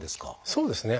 そうですね。